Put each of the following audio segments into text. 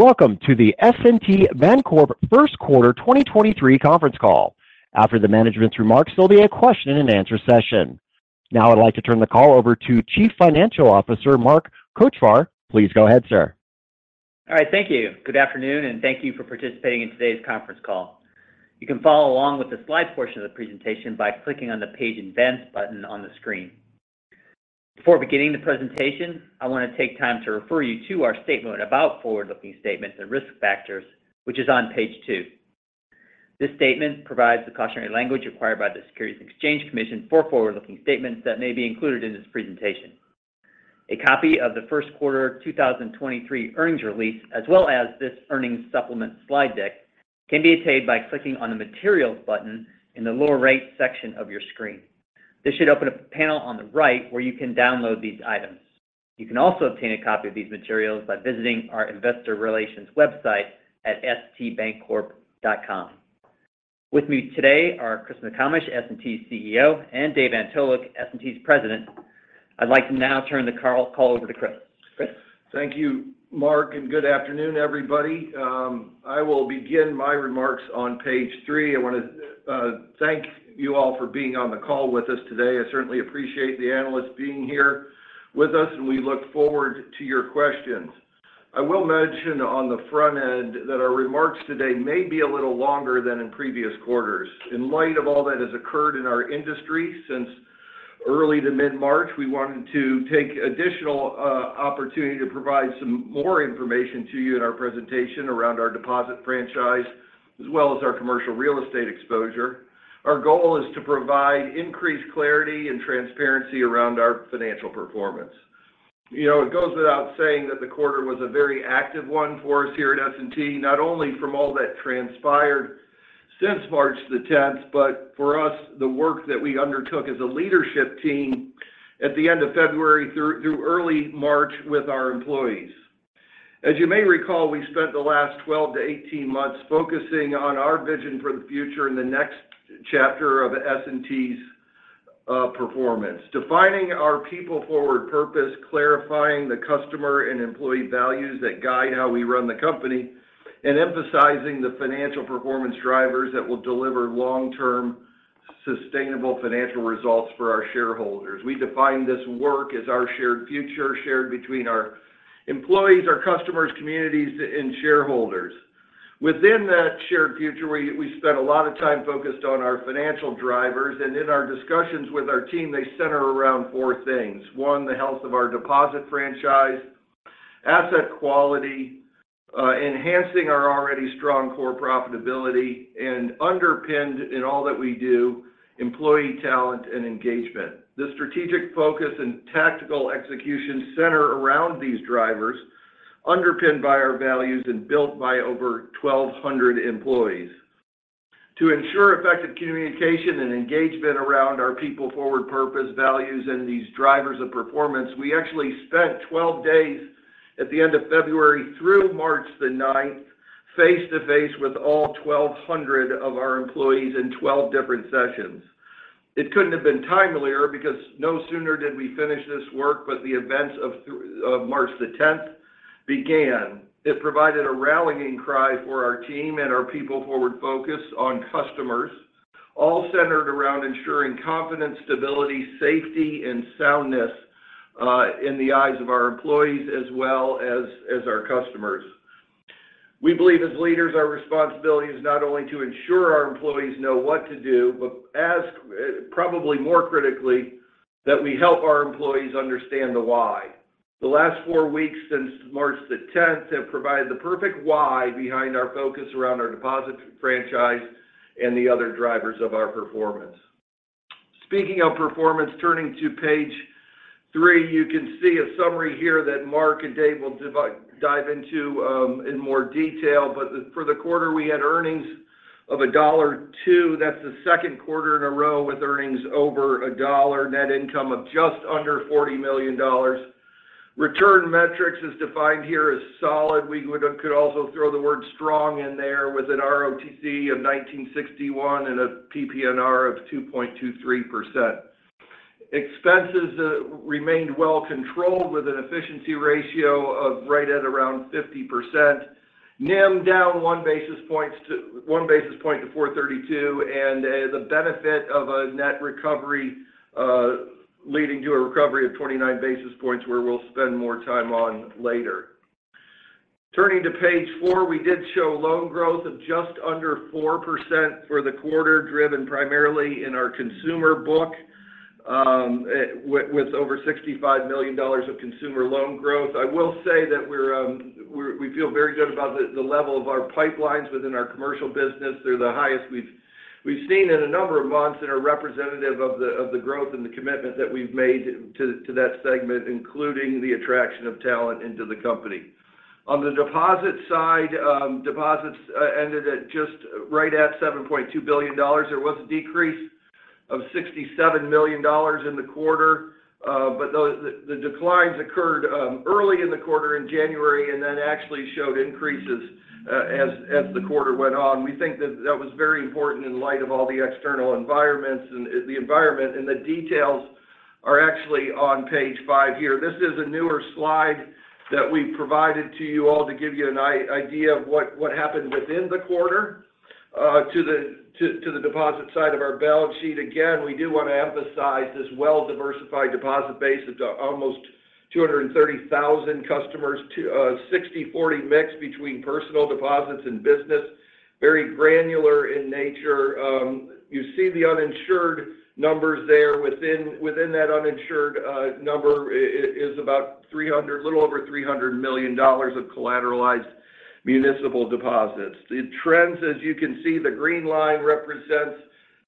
Welcome to the S&T Bancorp first quarter 2023 conference call. After the management's remarks, there'll be a question and answer session. Now I'd like to turn the call over to Chief Financial Officer, Mark Kochvar. Please go ahead, sir. All right, thank you. Good afternoon, thank you for participating in today's conference call. You can follow along with the slide portion of the presentation by clicking on the Page Advance button on the screen. Before beginning the presentation, I want to take time to refer you to our statement about forward-looking statements and risk factors, which is on page two. This statement provides the cautionary language required by the Securities and Exchange Commission for forward-looking statements that may be included in this presentation. A copy of the first quarter 2023 earnings release, as well as this earnings supplement slide deck, can be obtained by clicking on the Materials button in the lower right section of your screen. This should open up a panel on the right where you can download these items. You can also obtain a copy of these materials by visiting our investor relations website at stbancorp.com. With me today are Chris McComish, S&T's CEO, and Dave Antolik, S&T's President. I'd like to now turn the call over to Chris. Chris. Thank you, Mark. Good afternoon, everybody. I will begin my remarks on page three. I want to thank you all for being on the call with us today. I certainly appreciate the analysts being here with us. We look forward to your questions. I will mention on the front end that our remarks today may be a little longer than in previous quarters. In light of all that has occurred in our industry since early to mid-March, we wanted to take additional opportunity to provide some more information to you in our presentation around our deposit franchise, as well as our commercial real estate exposure. Our goal is to provide increased clarity and transparency around our financial performance. You know, it goes without saying that the quarter was a very active one for us here at S&T, not only from all that transpired since March 10, but for us, the work that we undertook as a leadership team at the end of February through early March with our employees. As you may recall, we spent the last 12-18 months focusing on our vision for the future in the next chapter of S&T's performance. Defining our people-forward purpose, clarifying the customer and employee values that guide how we run the company, and emphasizing the financial performance drivers that will deliver long-term sustainable financial results for our shareholders. We define this work as our shared future, shared between our employees, our customers, communities, and shareholders. Within that shared future, we spent a lot of time focused on our financial drivers, and in our discussions with our team, they center around four things. One, the health of our deposit franchise, asset quality, enhancing our already strong core profitability, and underpinned in all that we do, employee talent and engagement. The strategic focus and tactical execution center around these drivers underpinned by our values and built by over 1,200 employees. To ensure effective communication and engagement around our people-forward purpose, values, and these drivers of performance, we actually spent 12 days at the end of February through March the ninth face-to-face with all 1,200 of our employees in 12 different sessions. It couldn't have been timelier because no sooner did we finish this work, but the events of March the tenth began. It provided a rallying cry for our team and our people-forward focus on customers, all centered around ensuring confidence, stability, safety, and soundness in the eyes of our employees as well as our customers. We believe as leaders, our responsibility is not only to ensure our employees know what to do, but as probably more critically, that we help our employees understand the why. The last four weeks since March 10th have provided the perfect why behind our focus around our deposit franchise and the other drivers of our performance. Speaking of performance, turning to page three, you can see a summary here that Mark Kochvar and David Antolik will dive into in more detail. For the quarter, we had earnings of $1.02. That's the second quarter in a row with earnings over $1, net income of just under $40 million. Return metrics as defined here is solid. We could also throw the word strong in there with an ROTCE of 19.61% and a PPNR of 2.23%. Expenses remained well controlled with an efficiency ratio of right at around 50%. NIM down one basis point to 4.32%, and the benefit of a net recovery leading to a recovery of 29 basis points where we'll spend more time on later. Turning to page four, we did show loan growth of just under 4% for the quarter, driven primarily in our consumer book, with over $65 million of consumer loan growth. I will say that we're, we feel very good about the level of our pipelines within our commercial business. They're the highest we've seen in a number of months and are representative of the growth and the commitment that we've made to that segment, including the attraction of talent into the company. On the deposit side, deposits ended at just right at $7.2 billion. There was a decrease of $67 million in the quarter, the declines occurred early in the quarter in January and then actually showed increases as the quarter went on. We think that that was very important in light of all the external environments and the environment and the details are actually on page five here. This is a newer slide that we provided to you all to give you an idea of what happened within the quarter, to the deposit side of our balance sheet. Again, we do want to emphasize this well-diversified deposit base of almost 230,000 customers to a 60/40 mix between personal deposits and business. Very granular in nature. You see the uninsured numbers there. Within that uninsured number is about little over $300 million of collateralized municipal deposits. The trends, as you can see, the green line represents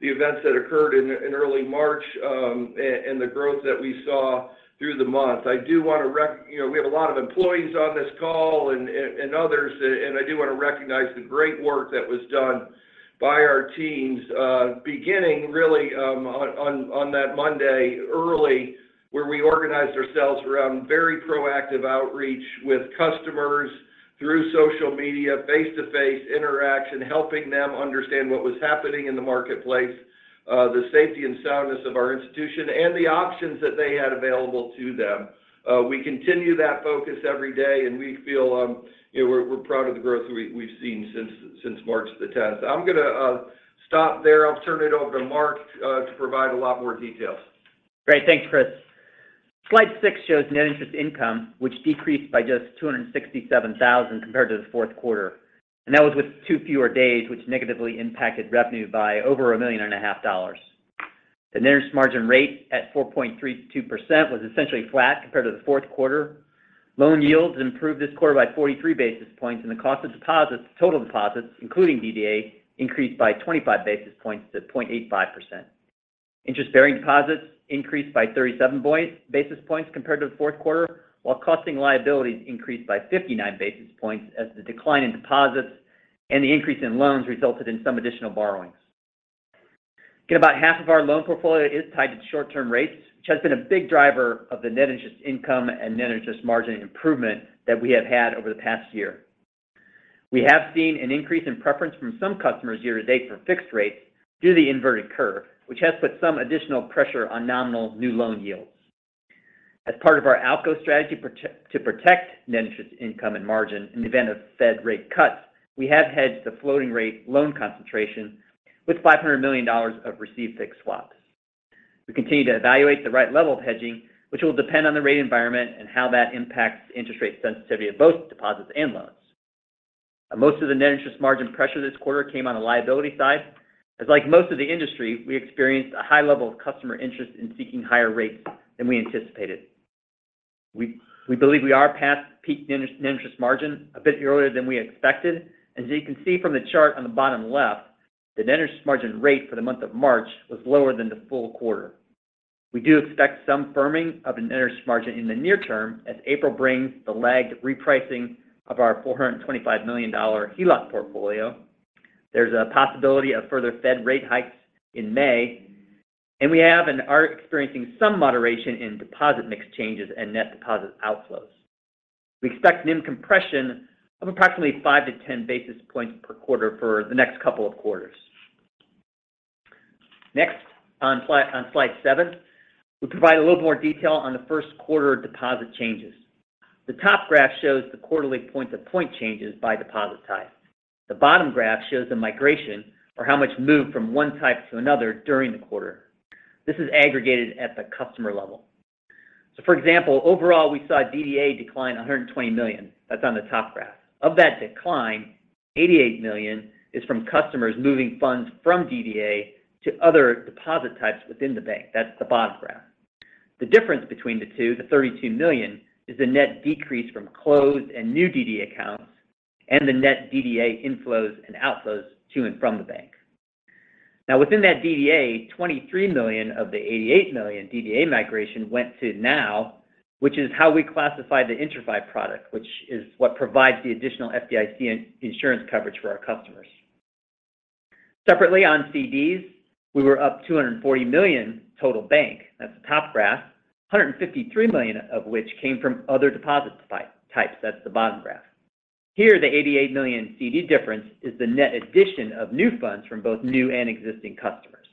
the events that occurred in early March, and the growth that we saw through the month. I do want to You know, we have a lot of employees on this call and others, and I do want to recognize the great work that was done by our teams, beginning really on that Monday early where we organized ourselves around very proactive outreach with customers through social media, face-to-face interaction, helping them understand what was happening in the marketplace, the safety and soundness of our institution, and the options that they had available to them. We continue that focus every day, and we feel, you know, we're proud of the growth we've seen since March the tenth. I'm gonna stop there. I'll turn it over to Mark to provide a lot more details. Great. Thanks, Chris. Slide six shows net interest income, which decreased by just $267,000 compared to the fourth quarter. That was with two fewer days, which negatively impacted revenue by over a million and a half dollars. The net interest margin rate at 4.32% was essentially flat compared to the fourth quarter. Loan yields improved this quarter by 43 basis points, and the cost of deposits, total deposits, including DDA, increased by 25 basis points to 0.85%. Interest-bearing deposits increased by 37 basis points compared to the fourth quarter, while costing liabilities increased by 59 basis points as the decline in deposits and the increase in loans resulted in some additional borrowings. Again, about half of our loan portfolio is tied to short-term rates, which has been a big driver of the net interest income and net interest margin improvement that we have had over the past year. We have seen an increase in preference from some customers year to date for fixed rates due to the inverted curve, which has put some additional pressure on nominal new loan yields. As part of our ALCO strategy to protect net interest income and margin in the event of Fed rate cuts, we have hedged the floating rate loan concentration with $500 million of received fixed swaps. We continue to evaluate the right level of hedging, which will depend on the rate environment and how that impacts interest rate sensitivity of both deposits and loans. Most of the net interest margin pressure this quarter came on the liability side, as like most of the industry, we experienced a high level of customer interest in seeking higher rates than we anticipated. We believe we are past peak net interest margin a bit earlier than we expected. You can see from the chart on the bottom left, the net interest margin rate for the month of March was lower than the full quarter. We do expect some firming of the net interest margin in the near term as April brings the lagged repricing of our $425 million HELOC portfolio. There's a possibility of further Fed rate hikes in May, and we have and are experiencing some moderation in deposit mix changes and net deposit outflows. We expect NIM compression of approximately five-10 basis points per quarter for the next couple of quarters. On slide seven, we provide a little more detail on the first quarter deposit changes. The top graph shows the quarterly point-to-point changes by deposit type. The bottom graph shows the migration or how much moved from one type to another during the quarter. This is aggregated at the customer level. For example, overall, we saw DDA decline $120 million. That's on the top graph. Of that decline, $88 million is from customers moving funds from DDA to other deposit types within the bank. That's the bottom graph. The difference between the two, the $32 million, is the net decrease from closed and new DDA accounts and the net DDA inflows and outflows to and from the bank. Within that DDA, $23 million of the $88 million DDA migration went to NOW, which is how we classify the IntraFi product, which is what provides the additional FDIC insurance coverage for our customers. Separately, on CDs, we were up $240 million total bank. That's the top graph. $153 million of which came from other deposit types. That's the bottom graph. Here, the $88 million CD difference is the net addition of new funds from both new and existing customers.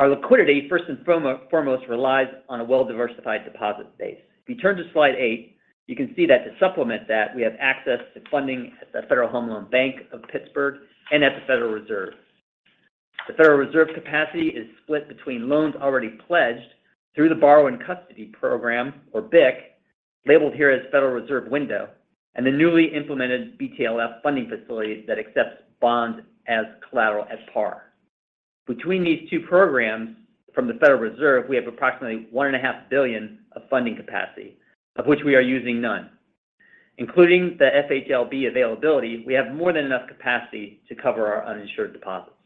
Our liquidity, first and foremost, relies on a well-diversified deposit base. If you turn to slide 8, you can see that to supplement that, we have access to funding at the Federal Home Loan Bank of Pittsburgh and at the Federal Reserve. The Federal Reserve capacity is split between loans already pledged through the Borrow-in-Custody program, or BIC, labeled here as Federal Reserve Window, and the newly implemented BTFP funding facility that accepts bonds as collateral at par. Between these two programs from the Federal Reserve, we have approximately $1.5 billion of funding capacity, of which we are using none. Including the FHLB availability, we have more than enough capacity to cover our uninsured deposits.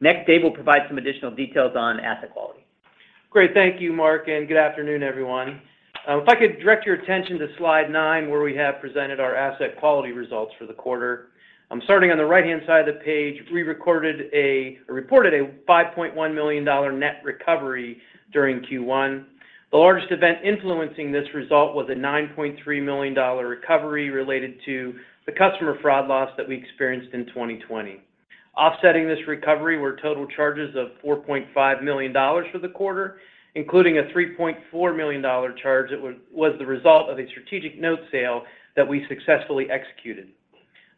Next, David will provide some additional details on asset quality. Great. Thank you, Mark. Good afternoon, everyone. If I could direct your attention to slide 9, where we have presented our asset quality results for the quarter. Starting on the right-hand side of the page, we reported a $5.1 million net recovery during Q1. The largest event influencing this result was a $9.3 million recovery related to the customer fraud loss that we experienced in 2020. Offsetting this recovery were total charges of $4.5 million for the quarter, including a $3.4 million charge that was the result of a strategic note sale that we successfully executed.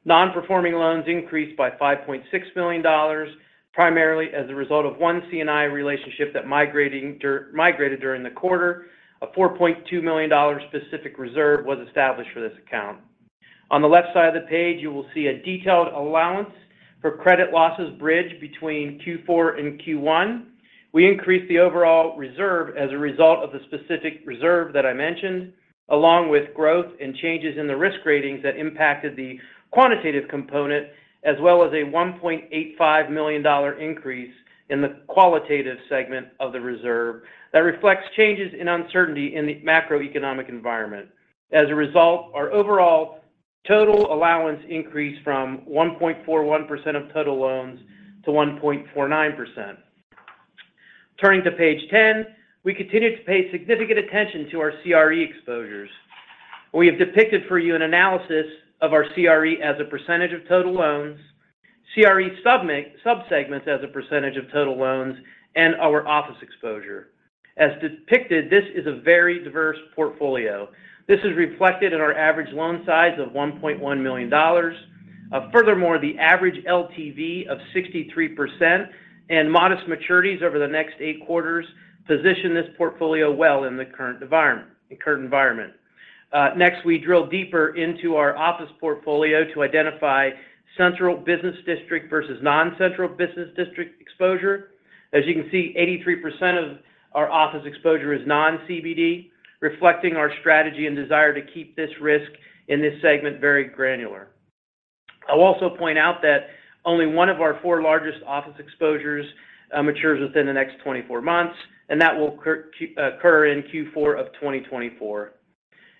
Non-performing loans increased by $5.6 million, primarily as a result of one C&I relationship that migrated during the quarter. A $4.2 million specific reserve was established for this account. On the left side of the page, you will see a detailed allowance for credit losses bridged between Q4 and Q1. We increased the overall reserve as a result of the specific reserve that I mentioned, along with growth and changes in the risk ratings that impacted the quantitative component, as well as a $1.85 million increase in the qualitative segment of the reserve that reflects changes in uncertainty in the macroeconomic environment. As a result, our overall total allowance increased from 1.41% of total loans to 1.49%. Turning to page 10, we continue to pay significant attention to our CRE exposures. We have depicted for you an analysis of our CRE as a % of total loans, CRE subsegments as a % of total loans, and our office exposure. As depicted, this is a very diverse portfolio. This is reflected in our average loan size of $1.1 million. Furthermore, the average LTV of 63% and modest maturities over the next 8 quarters position this portfolio well in the current environment. We drill deeper into our office portfolio to identify central business district versus non-central business district exposure. As you can see, 83% of our office exposure is non-CBD, reflecting our strategy and desire to keep this risk in this segment very granular. I'll also point out that only one of our four largest office exposures matures within the next 24 months, and that will occur in Q4 of 2024.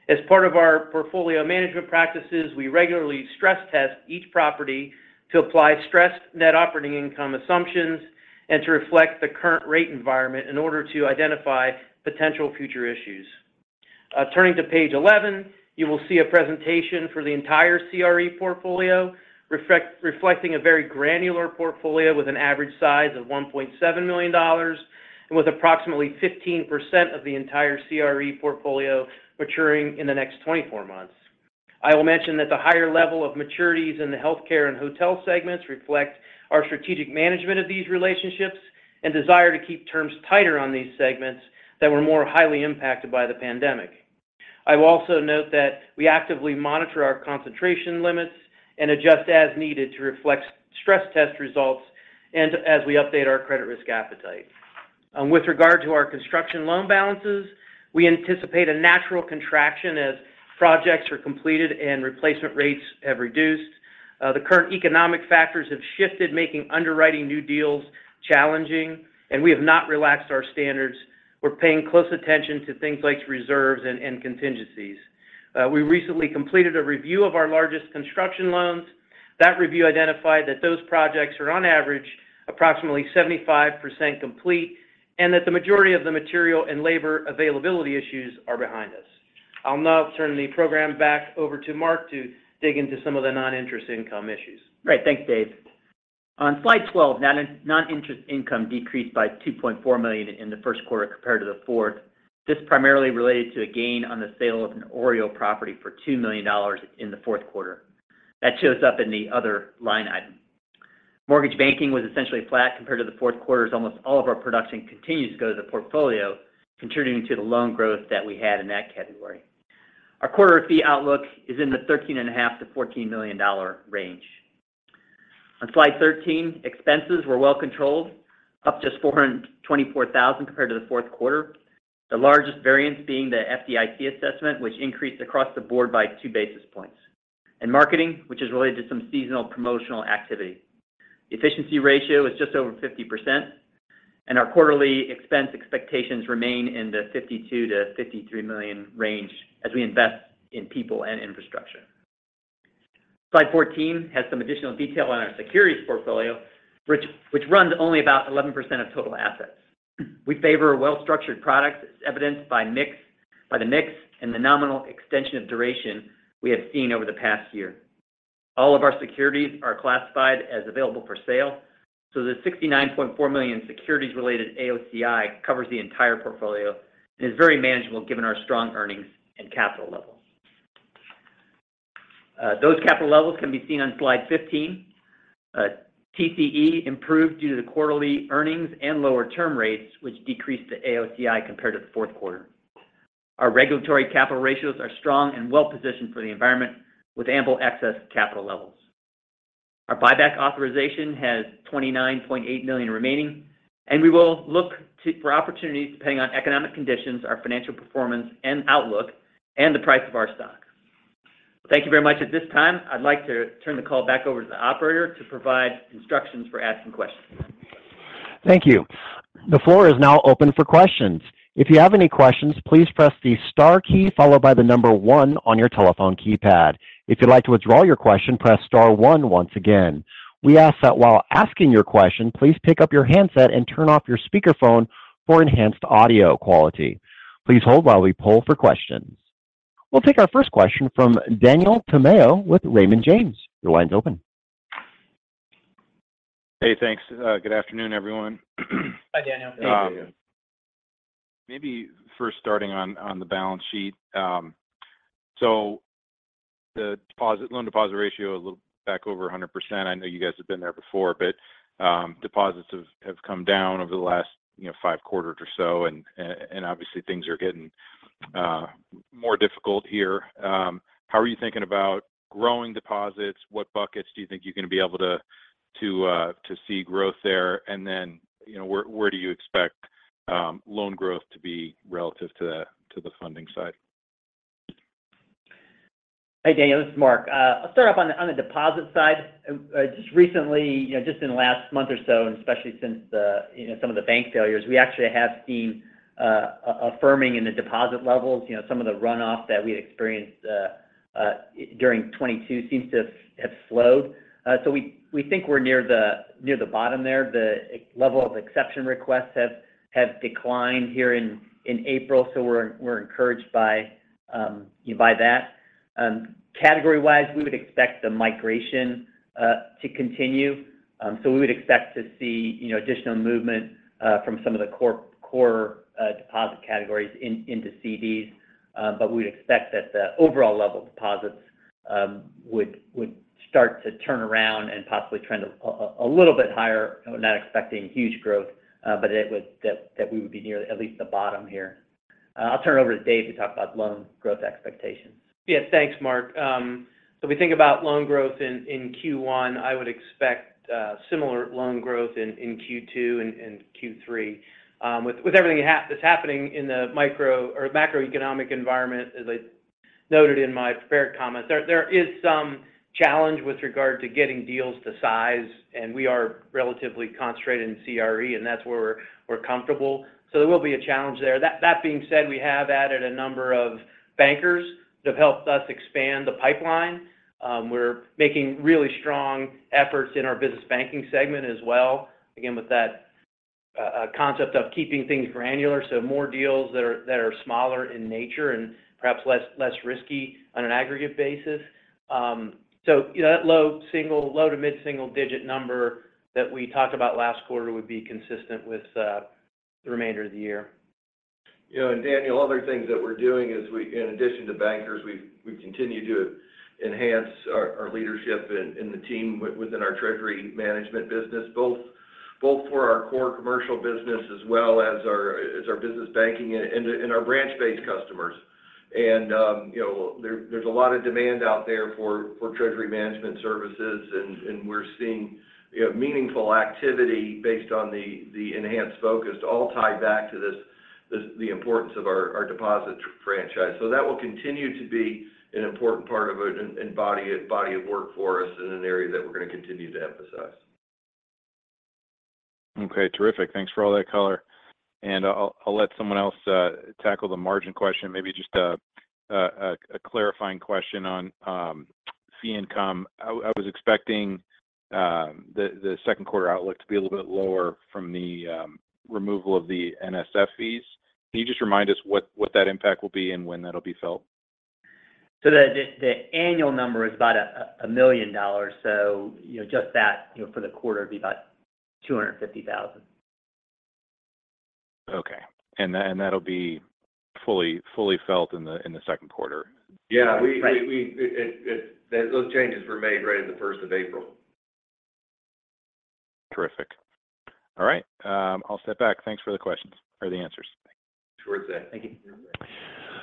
As part of our portfolio management practices, we regularly stress test each property to apply stressed net operating income assumptions and to reflect the current rate environment in order to identify potential future issues. Turning to page 11, you will see a presentation for the entire CRE portfolio, reflecting a very granular portfolio with an average size of $1.7 million and with approximately 15% of the entire CRE portfolio maturing in the next 24 months. I will mention that the higher level of maturities in the healthcare and hotel segments reflect our strategic management of these relationships and desire to keep terms tighter on these segments that were more highly impacted by the pandemic. I will also note that we actively monitor our concentration limits and adjust as needed to reflect stress test results and as we update our credit risk appetite. With regard to our construction loan balances, we anticipate a natural contraction as projects are completed and replacement rates have reduced. The current economic factors have shifted, making underwriting new deals challenging. We have not relaxed our standards. We're paying close attention to things like reserves and contingencies. We recently completed a review of our largest construction loans. That review identified that those projects are on average approximately 75% complete and that the majority of the material and labor availability issues are behind us. I'll now turn the program back over to Mark to dig into some of the non-interest income issues. Right. Thanks, Dave. On slide 12, non-interest income decreased by $2.4 million in the first quarter compared to the fourth. This primarily related to a gain on the sale of an OREO property for $2 million in the fourth quarter. That shows up in the other line item. Mortgage banking was essentially flat compared to the fourth quarter as almost all of our production continues to go to the portfolio, contributing to the loan growth that we had in that category. Our quarter fee outlook is in the $13.5 million-$14 million range. On slide 13, expenses were well controlled, up just $424,000 compared to the fourth quarter. The largest variance being the FDIC assessment, which increased across the board by 2 basis points, and marketing, which is related to some seasonal promotional activity. Efficiency ratio is just over 50%, and our quarterly expense expectations remain in the $52 million-$53 million range as we invest in people and infrastructure. Slide 14 has some additional detail on our securities portfolio, which runs only about 11% of total assets. We favor a well-structured product as evidenced by the mix and the nominal extension of duration we have seen over the past year. All of our securities are classified as available for sale, so the $69.4 million securities related AOCI covers the entire portfolio and is very manageable given our strong earnings and capital levels. Those capital levels can be seen on slide 15. TCE improved due to the quarterly earnings and lower term rates, which decreased the AOCI compared to the fourth quarter. Our regulatory capital ratios are strong and well-positioned for the environment with ample excess capital levels. Our buyback authorization has $29.8 million remaining. We will look for opportunities depending on economic conditions, our financial performance and outlook, and the price of our stock. Thank you very much. At this time, I'd like to turn the call back over to the operator to provide instructions for asking questions. Thank you. The floor is now open for questions. If you have any questions, please press the star key followed by the number one on your telephone keypad. If you'd like to withdraw your question, press star one once again. We ask that while asking your question, please pick up your handset and turn off your speakerphone for enhanced audio quality. Please hold while we poll for questions. We'll take our first question from Daniel Tamayo with Raymond James. Your line's open. Hey, thanks. good afternoon, everyone. Hi, Daniel. Hey, Daniel. Maybe first starting on the balance sheet. The loan deposit ratio a little back over 100%. I know you guys have been there before, but deposits have come down over the last, you know, five quarters or so, and obviously things are getting more difficult here. How are you thinking about growing deposits? What buckets do you think you're gonna be able to see growth there? You know, where do you expect loan growth to be relative to the funding side? Hey, Daniel, this is Mark. I'll start off on the deposit side. Just recently, you know, just in the last month or so, and especially since the, you know, some of the bank failures, we actually have seen a firming in the deposit levels. You know, some of the runoff that we had experienced during 2022 seems to have slowed. We think we're near the bottom there. The level of exception requests have declined here in April, so we're encouraged by that. Category-wise, we would expect the migration to continue. We would expect to see, you know, additional movement from some of the core deposit categories into CDs. We would expect that the overall level of deposits would start to turn around and possibly trend a little bit higher. Not expecting huge growth, that we would be near at least the bottom here. I'll turn it over to Dave to talk about loan growth expectations. Yeah. Thanks, Mark. We think about loan growth in Q1. I would expect similar loan growth in Q2 and Q3. With everything that's happening in the micro or macroeconomic environment, as I noted in my prepared comments, there is some challenge with regard to getting deals to size, and we are relatively concentrated in CRE, and that's where we're comfortable. There will be a challenge there. That being said, we have added a number of bankers that have helped us expand the pipeline. We're making really strong efforts in our business banking segment as well. Again, with that concept of keeping things granular, more deals that are smaller in nature and perhaps less risky on an aggregate basis. You know, that low to mid-single digit number that we talked about last quarter would be consistent with the remainder of the year. You know, Daniel, other things that we're doing is in addition to bankers, we've continued to enhance our leadership and the team within our treasury management business, both for our core commercial business as well as our business banking and our branch-based customers. You know, there's a lot of demand out there for treasury management services and we're seeing, you know, meaningful activity based on the enhanced focus all tied back to the importance of our deposit franchise. That will continue to be an important part of and body of work for us and an area that we're going to continue to emphasize. Okay. Terrific. Thanks for all that color. I'll let someone else tackle the margin question. Maybe just a clarifying question on fee income. I was expecting the second quarter outlook to be a little bit lower from the removal of the NSF fees. Can you just remind us what that impact will be and when that'll be felt? The annual number is about $1 million. you know, just that, you know, for the quarter would be about $250,000. Okay. That'll be fully felt in the second quarter? Right. Yeah. Those changes were made right at the first of April. Terrific. All right. I'll step back. Thanks for the questions or the answers. Sure thing. Thank you.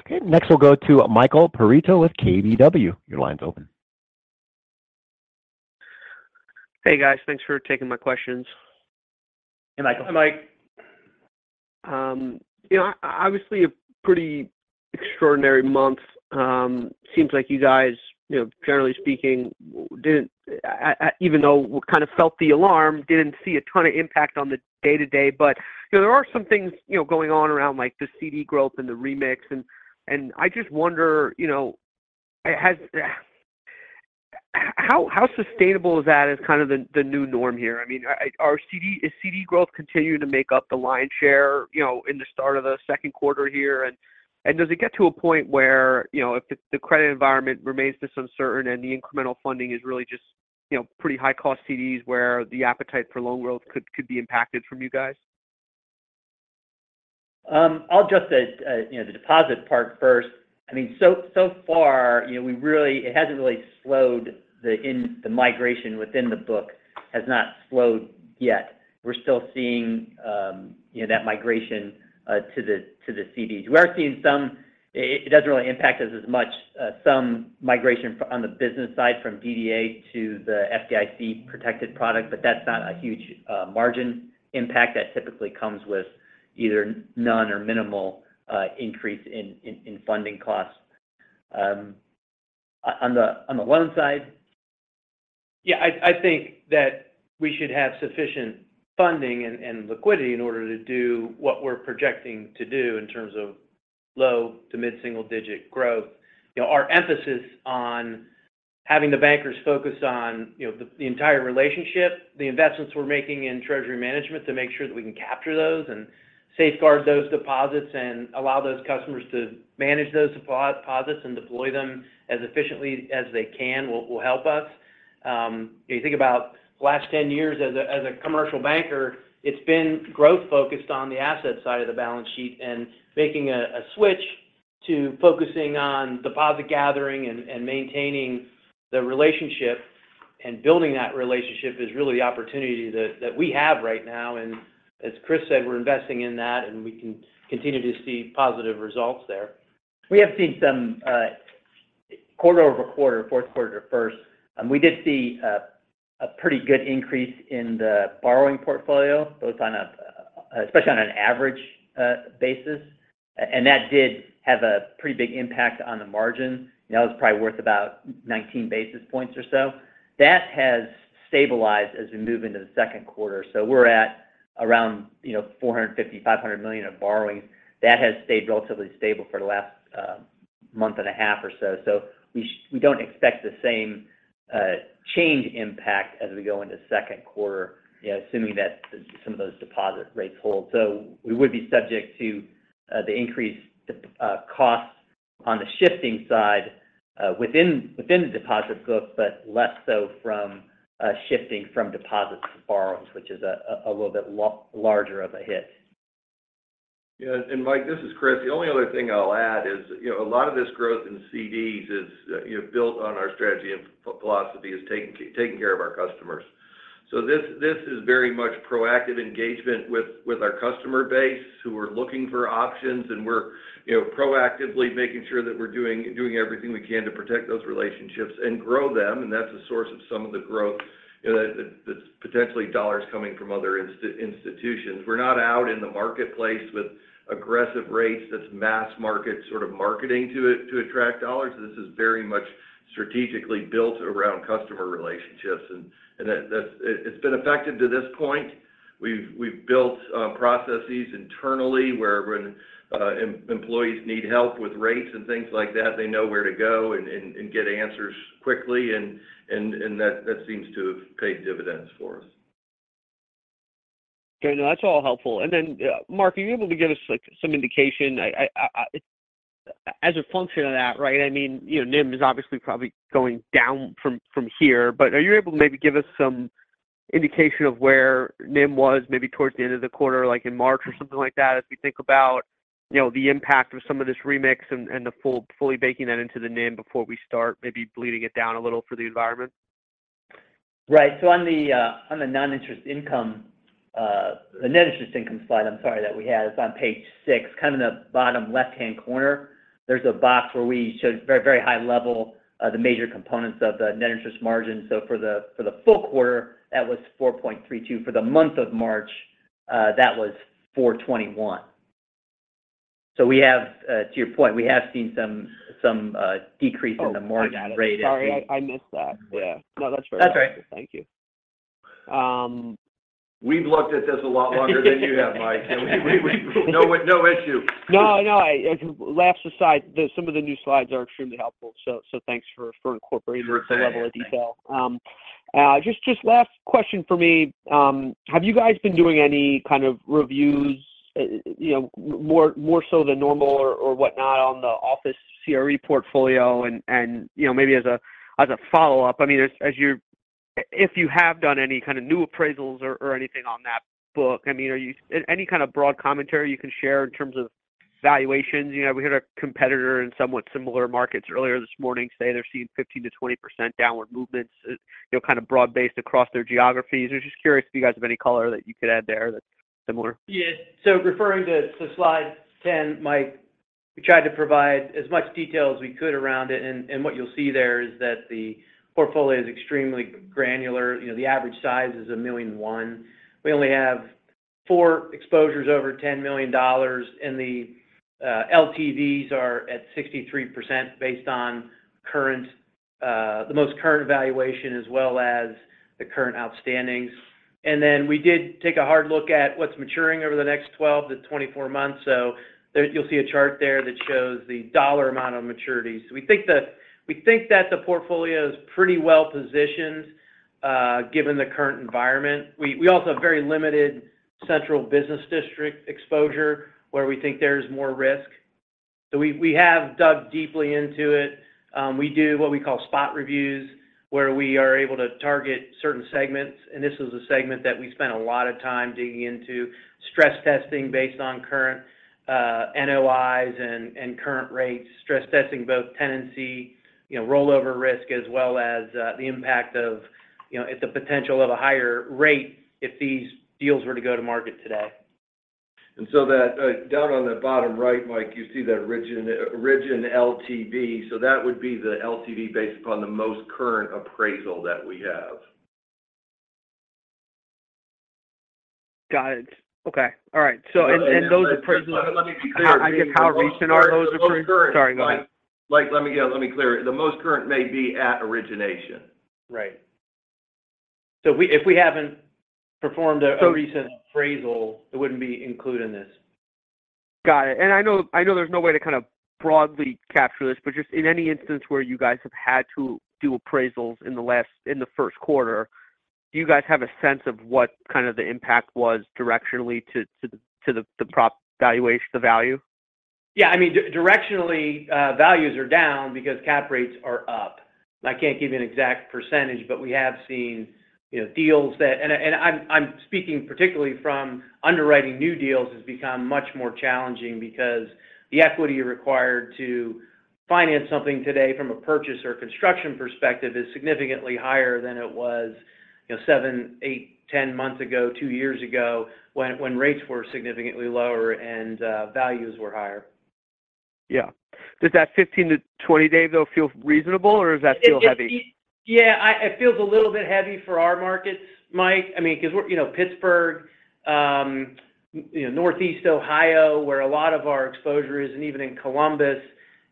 Okay. Next we'll go to Michael Perito with KBW. Your line's open. Hey, guys. Thanks for taking my questions. Hey, Michael. Hi, Mike. you know, obviously a pretty extraordinary month. seems like you guys, you know, generally speaking, didn't, even though we kind of felt the alarm, didn't see a ton of impact on the day-to-day. you know, there are some things, you know, going on around like the CD growth and the remix, and I just wonder, you know, how sustainable is that as kind of the new norm here? I mean, is CD growth continuing to make up the lion's share, you know, in the start of the second quarter here? does it get to a point where, you know, if the credit environment remains this uncertain and the incremental funding is really just, you know, pretty high-cost CDs where the appetite for loan growth could be impacted from you guys? I'll address the, you know, the deposit part first. I mean, so far, you know, it hasn't really slowed the migration within the book has not slowed yet. We're still seeing, you know, that migration to the CDs. We are seeing some. It doesn't really impact us as much, some migration on the business side from DDA to the FDIC-protected product, that's not a huge margin impact. That typically comes with either none or minimal increase in funding costs. On the loan side. I think that we should have sufficient funding and liquidity in order to do what we're projecting to do in terms of low to mid-single digit growth. You know, our emphasis onHaving the bankers focus on, you know, the entire relationship, the investments we're making in treasury management to make sure that we can capture those and safeguard those deposits and allow those customers to manage those deposits and deploy them as efficiently as they can will help us. If you think about the last 10 years as a commercial banker, it's been growth focused on the asset side of the balance sheet and making a switch to focusing on deposit gathering and maintaining the relationship and building that relationship is really the opportunity that we have right now. As Chris said, we're investing in that, and we can continue to see positive results there. We have seen some quarter-over-quarter, fourth quarter first. We did see a pretty good increase in the borrowing portfolio, both especially on an average basis. That did have a pretty big impact on the margin. That was probably worth about 19 basis points or so. That has stabilized as we move into the second quarter. So we're at around, you know, $450 million-$500 million of borrowing. That has stayed relatively stable for the last month and a half or so. So we don't expect the same change impact as we go into second quarter, you know, assuming that some of those deposit rates hold. We would be subject to the increased costs on the shifting side, within the deposit book, but less so from shifting from deposits to borrowings, which is a little bit larger of a hit. Yeah, Mike, this is Chris. The only other thing I'll add is, you know, a lot of this growth in CDs is, you know, built on our strategy and philosophy is taking care of our customers. This is very much proactive engagement with our customer base who are looking for options, and we're, you know, proactively making sure that we're doing everything we can to protect those relationships and grow them. That's a source of some of the growth, you know, that's potentially dollars coming from other institutions. We're not out in the marketplace with aggressive rates that's mass market sort of marketing to it to attract dollars. This is very much strategically built around customer relationships, and that, it's been effective to this point. We've built processes internally where when employees need help with rates and things like that, they know where to go and get answers quickly. That seems to have paid dividends for us. Okay. No, that's all helpful. Then, Mark, are you able to give us, like, some indication? As a function of that, right, I mean, you know, NIM is obviously probably going down from here. Are you able to maybe give us some indication of where NIM was maybe towards the end of the quarter, like in March or something like that, as we think about, you know, the impact of some of this remix and, fully baking that into the NIM before we start maybe bleeding it down a little for the environment? Right. On the non-interest income, the net interest income slide, I'm sorry, that we had, it's on page 6, kind of in the bottom left-hand corner, there's a box where we showed very, very high level, the major components of the net interest margin. For the, for the full quarter, that was 4.32%. For the month of March, that was 4.21%. We have, to your point, we have seen some decrease in the margin rate. Oh, got it. Sorry, I missed that. Yeah. No, that's fair. That's all right. Thank you. We've looked at this a lot longer than you have, Mike. We no issue. No, no. Laughs aside, some of the new slides are extremely helpful. Thanks for incorporating that level of detail. Sure thing. Just last question for me. Have you guys been doing any kind of reviews, you know, more so than normal or whatnot on the office CRE portfolio? You know, maybe as a follow-up, I mean, if you have done any kind of new appraisals or anything on that book, I mean, any kind of broad commentary you can share in terms of valuations? You know, we had a competitor in somewhat similar markets earlier this morning say they're seeing 15%-20% downward movements, you know, kind of broad-based across their geographies. I was just curious if you guys have any color that you could add there that's similar. Yeah. Referring to slide 10, Mike, we tried to provide as much detail as we could around it, and what you'll see there is that the portfolio is extremely granular. You know, the average size is $1.1 million. We only have four exposures over $10 million, the LTVs are at 63% based on current, the most current valuation as well as the current outstandings. We did take a hard look at what's maturing over the next 12-24 months. You'll see a chart there that shows the dollar amount of maturities. We think that the portfolio is pretty well positioned, given the current environment. We also have very limited central business district exposure where we think there's more risk. We have dug deeply into it. We do what we call spot reviews, where we are able to target certain segments. This is a segment that we spent a lot of time digging into. Stress testing based on current NOIs and current rates. Stress testing both tenancy, you know, rollover risk, as well as the impact of, you know, at the potential of a higher rate if these deals were to go to market today. down on the bottom right, Michael, you see that origin LTV. That would be the LTV based upon the most current appraisal that we have. Got it. Okay. All right. Those appraisals- Let me be clear. How, I guess, how recent are those appraisals? The most current-. Sorry. Go ahead. Mike, let me clear it. The most current may be at origination. Right. We, if we haven't performed a recent appraisal, it wouldn't be included in this. Got it. I know there's no way to kind of broadly capture this, but just in any instance where you guys have had to do appraisals in the first quarter, do you guys have a sense of what kind of the impact was directionally to the prop valuation, the value? Yeah. I mean, directionally, values are down because cap rates are up. I can't give you an exact percentage, but we have seen, you know, deals that... And I'm speaking particularly from underwriting new deals has become much more challenging because the equity required to finance something today from a purchase or construction perspective is significantly higher than it was, you know, seven, eight, 10 months ago, two years ago when rates were significantly lower and values were higher. Yeah. Does that 15-20, Dave, though feel reasonable, or does that feel heavy? Yeah. It feels a little bit heavy for our markets, Mike. I mean, 'cause we're, you know, Pittsburgh, you know, Northeast Ohio, where a lot of our exposure is, and even in Columbus,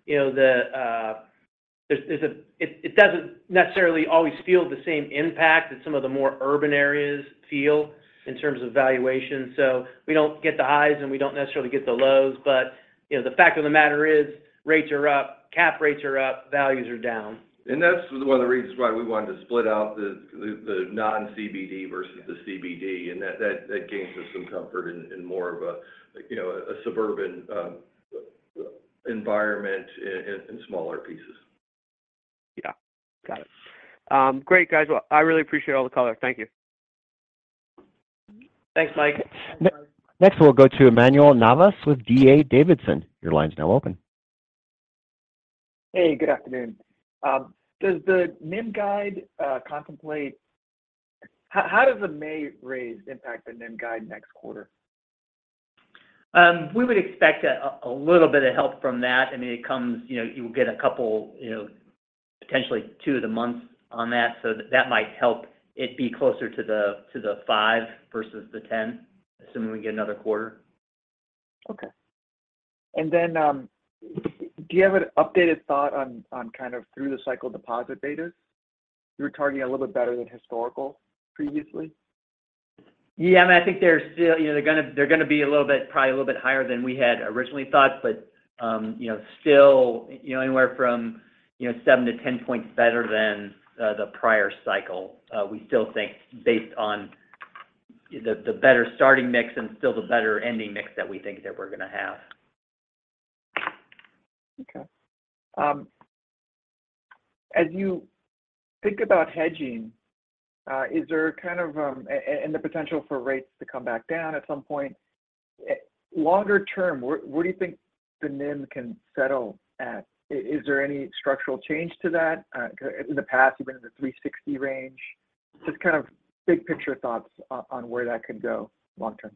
you know, there's a it doesn't necessarily always feel the same impact that some of the more urban areas feel in terms of valuation. We don't get the highs, and we don't necessarily get the lows. You know, the fact of the matter is rates are up, cap rates are up, values are down. That's one of the reasons why we wanted to split out the non-CBD versus the CBD. That gains us some comfort in more of a, you know, a suburban environment in smaller pieces. Yeah. Got it. Great, guys. I really appreciate all the color. Thank you. Thanks, Mike. Next, we'll go to Manuel Navas with D.A. Davidson. Your line's now open. Hey, good afternoon. How does the NIM guide next quarter? We would expect a little bit of help from that. I mean, it comes, you know, you'll get a couple, you know, potentially two of the months on that. That might help it be closer to the five versus the 10, assuming we get another quarter. Okay. Do you have an updated thought on kind of through the cycle deposit betas? You were targeting a little bit better than historical previously. Yeah. I mean, I think they're still, you know, they're gonna be a little bit, probably a little bit higher than we had originally thought. Still, you know, anywhere from, you know, seven-10 points better than the prior cycle. We still think based on the better starting mix and still the better ending mix that we think that we're gonna have. Okay. As you think about hedging, is there kind of, the potential for rates to come back down at some point, longer term, where do you think the NIM can settle at? Is there any structural change to that? In the past, you've been in the 360 range. Just kind of big picture thoughts on where that could go long term.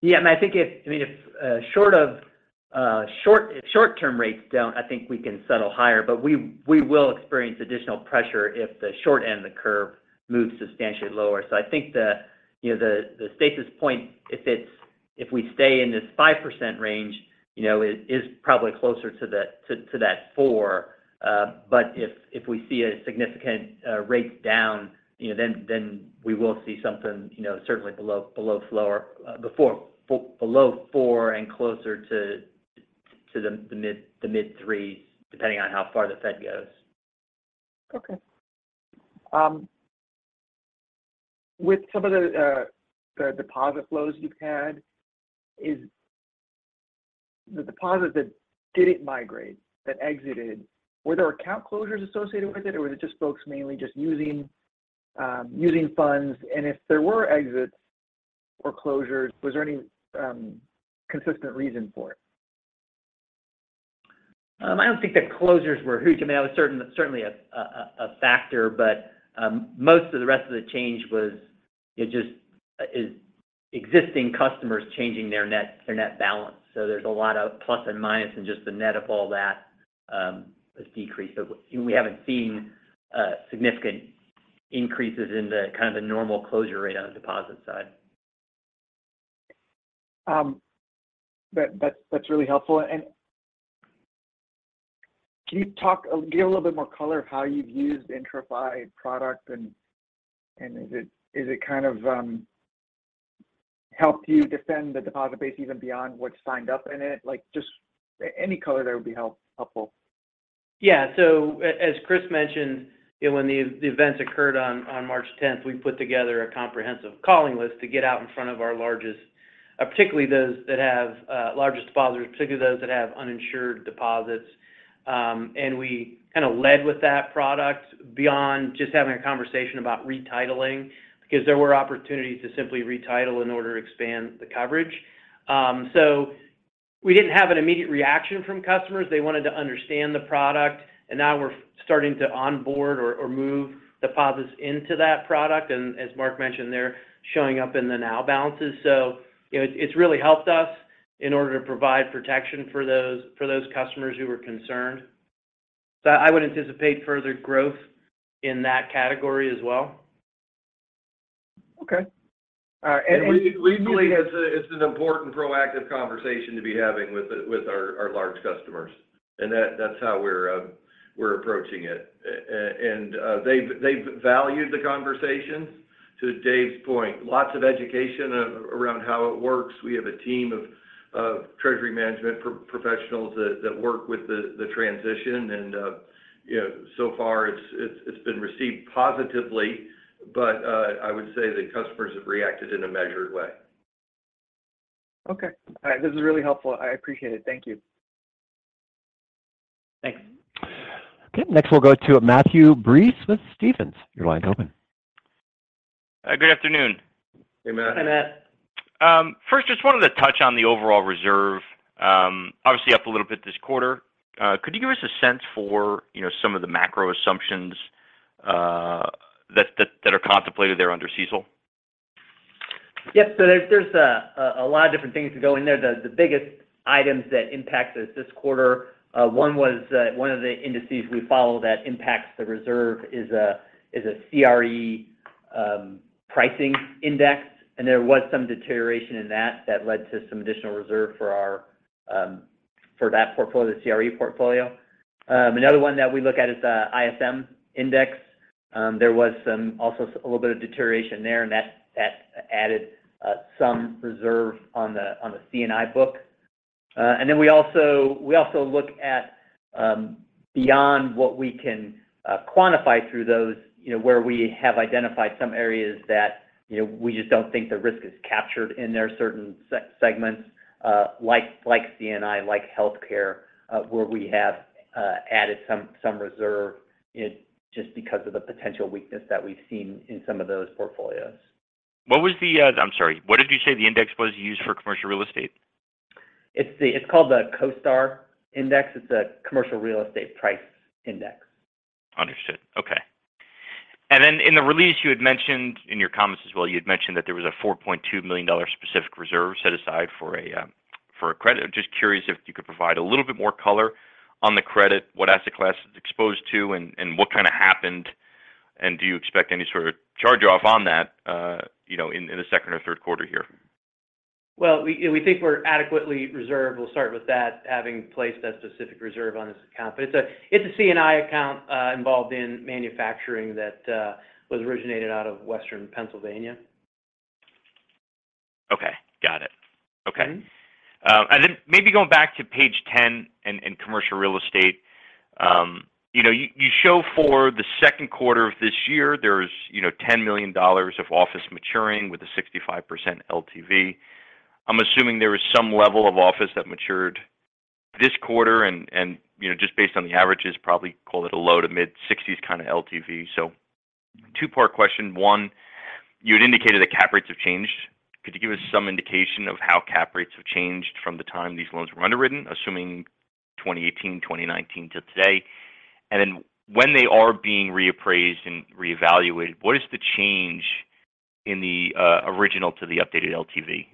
Yeah. I think if, I mean, if short-term rates don't, I think we can settle higher. We will experience additional pressure if the short end of the curve moves substantially lower. I think the, you know, the stasis point, if it's, if we stay in this 5% range, you know, it is probably closer to that 4%. If we see a significant rates down, you know, we will see something, you know, certainly below 4% and closer to the mid three's, depending on how far the Fed goes. Okay. With some of the deposit flows you've had, is the deposit that didn't migrate, that exited, were there account closures associated with it, or was it just folks mainly just using funds? If there were exits or closures, was there any consistent reason for it? I don't think the closures were huge. I mean, that was certainly a factor, but most of the rest of the change was it just is existing customers changing their net, their net balance. There's a lot of plus and minus, and just the net of all that has decreased. We haven't seen significant increases in the kind of the normal closure rate on the deposit side. That's really helpful. Can you talk, give a little bit more color how you've used IntraFi product, and is it kind of helped you defend the deposit base even beyond what's signed up in it? Like, just any color there would be helpful. As Chris mentioned, you know, when the events occurred on March tenth, we put together a comprehensive calling list to get out in front of our largest, particularly those that have largest depositors, particularly those that have uninsured deposits. We kind of led with that product beyond just having a conversation about retitling, because there were opportunities to simply retitle in order to expand the coverage. We didn't have an immediate reaction from customers. They wanted to understand the product, and now we're starting to onboard or move deposits into that product. As Mark mentioned, they're showing up in the NOW balances. You know, it's really helped us in order to provide protection for those, for those customers who were concerned. I would anticipate further growth in that category as well. Okay. We believe it's an important proactive conversation to be having with our large customers. That's how we're approaching it. They've valued the conversations. To Dave's point, lots of education around how it works. We have a team of treasury management professionals that work with the transition and, you know, so far it's been received positively. I would say the customers have reacted in a measured way. Okay. All right. This is really helpful. I appreciate it. Thank you. Thanks. Okay. Next we'll go to Matthew Breese with Stephens. Your line's open. Good afternoon. Hey, Matt. Hey, Matt. First just wanted to touch on the overall reserve. Obviously up a little bit this quarter. Could you give us a sense for, you know, some of the macro assumptions that are contemplated there under CECL? Yes. there's a lot of different things that go in there. The biggest items that impacted us this quarter, one was one of the indices we follow that impacts the reserve is a CRE pricing index, and there was some deterioration in that that led to some additional reserve for that portfolio, the CRE portfolio. Another one that we look at is the ISM index. There was some also a little bit of deterioration there, and that added some reserve on the C&I book. Then we also look at, beyond what we can quantify through those, you know, where we have identified some areas that, you know, we just don't think the risk is captured in there. Certain segments, like C&I, like healthcare, where we have added some reserve just because of the potential weakness that we've seen in some of those portfolios. I'm sorry. What did you say the index was used for commercial real estate? It's called the CoStar index. It's a commercial real estate price index. Understood. Okay. In the release you had mentioned, in your comments as well, you had mentioned that there was a $4.2 million specific reserve set aside for a for a credit. Just curious if you could provide a little bit more color on the credit, what asset class it's exposed to and what kind of happened, and do you expect any sort of charge-off on that, you know, in the second or third quarter here? Well, we think we're adequately reserved. We'll start with that, having placed that specific reserve on this account. It's a C&I account involved in manufacturing that was originated out of Western Pennsylvania. Okay. Got it. Okay. Mm-hmm. Maybe going back to page 10 in commercial real estate. You know, you show for the second quarter of this year there's, you know, $10 million of office maturing with a 65% LTV. I'm assuming there is some level of office that matured this quarter, you know, just based on the averages, probably call it a low to mid-60s kind of LTV. Two-part question. One, you had indicated that cap rates have changed. Could you give us some indication of how cap rates have changed from the time these loans were underwritten, assuming 2018, 2019 till today? When they are being reappraised and reevaluated, what is the change in the original to the updated LTV?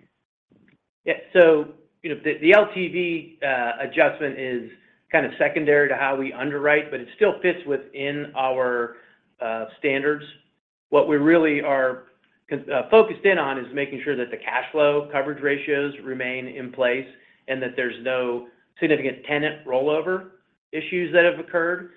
Yeah. You know, the LTV adjustment is kind of secondary to how we underwrite, but it still fits within our standards. What we really are focused in on is making sure that the cash flow coverage ratios remain in place and that there's no significant tenant rollover issues that have occurred.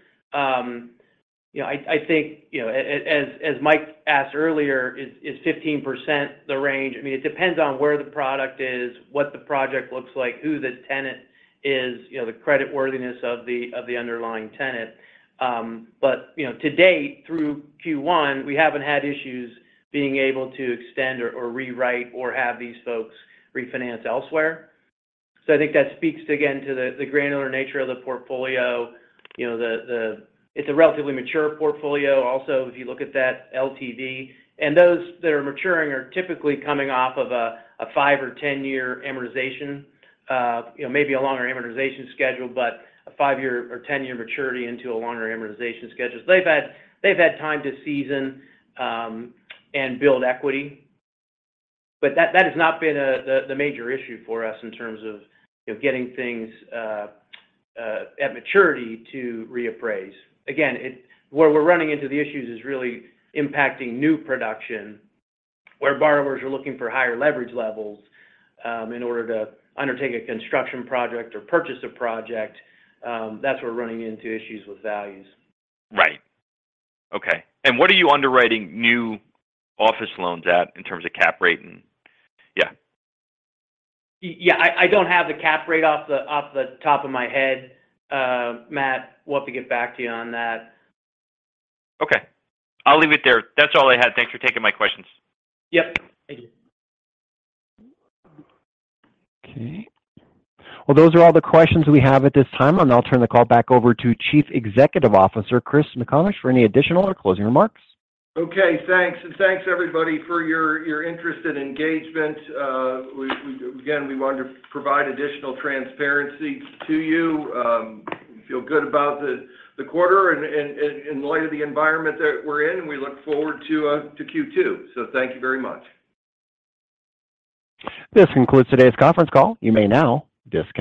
You know, I think, you know, as Mike asked earlier, is 15% the range? I mean, it depends on where the product is, what the project looks like, who the tenant is, you know, the credit worthiness of the underlying tenant. You know, to date, through Q1, we haven't had issues being able to extend or rewrite or have these folks refinance elsewhere. I think that speaks again to the granular nature of the portfolio. You know, the... It's a relatively mature portfolio also, if you look at that LTV. Those that are maturing are typically coming off of a five- or 10-year amortization. You know, maybe a longer amortization schedule, but a 5-year or 10-year maturity into a longer amortization schedule. They've had time to season and build equity. That has not been the major issue for us in terms of, you know, getting things at maturity to reappraise. Again, where we're running into the issues is really impacting new production where borrowers are looking for higher leverage levels in order to undertake a construction project or purchase a project. That's where we're running into issues with values. Right. Okay. What are you underwriting new office loans at in terms of cap rate and yeah? Yeah, I don't have the cap rate off the top of my head. Matt, we'll have to get back to you on that. Okay. I'll leave it there. That's all I had. Thanks for taking my questions. Yep. Thank you. Okay. Well, those are all the questions we have at this time. I'll turn the call back over to Chief Executive Officer, Chris McComish, for any additional or closing remarks. Okay. Thanks everybody for your interest and engagement. Again, we wanted to provide additional transparency to you. We feel good about the quarter and in light of the environment that we're in, we look forward to Q2. Thank you very much. This concludes today's conference call. You may now disconnect.